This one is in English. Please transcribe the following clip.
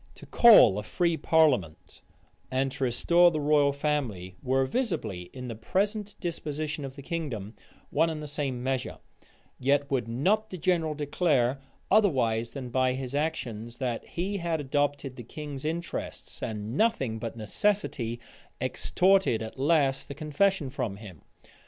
To call a free parliament, and to restore the royal family, were visibly, in the present disposition of the kingdom, one and the same measure: yet would not the general declare, otherwise than by his actions, that he had adopted the king's interests; and nothing but necessity extorted at last the confession from him.